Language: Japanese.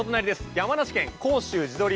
山梨県甲州地どり